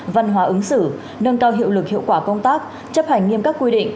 văn hóa ứng xử nâng cao hiệu lực hiệu quả công tác chấp hành nghiêm các quy định